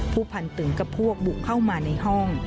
ผู้พันตึงกับพวกบุกเข้ามาในห้อง